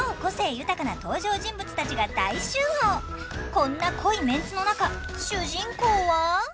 こんな濃いメンツの中主人公は。